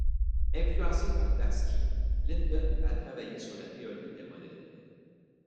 Influencé par Tarski, Lyndon a travaillé sur la théorie des modèles.